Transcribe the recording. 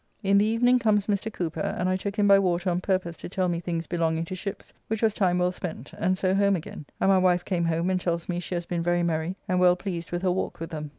In the evening comes Mr. Cooper, and I took him by water on purpose to tell me things belonging to ships, which was time well spent, and so home again, and my wife came home and tells me she has been very merry and well pleased with her walk with them.